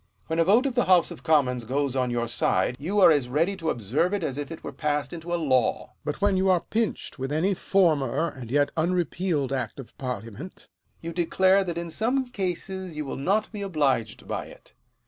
When a vote of the House of Commons goes on your side, you are as ready to observe it as if it were passed into a law ; but when you are pinched with any former, and yet unrepealed act of parliament, you declare that in some cases you will not be obliged by it.